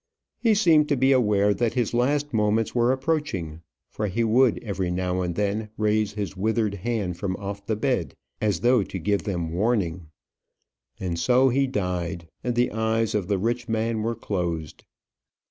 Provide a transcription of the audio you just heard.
He seemed to be aware that his last moments were approaching, for he would every now and then raise his withered hand from off the bed, as though to give them warning. And so he died, and the eyes of the rich man were closed.